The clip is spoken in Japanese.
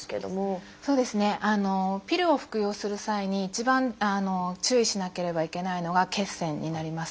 ピルを服用する際に一番注意しなければいけないのが血栓になります。